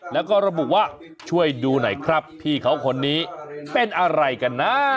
แล้วก็ระบุว่าช่วยดูหน่อยครับพี่เขาคนนี้เป็นอะไรกันนะ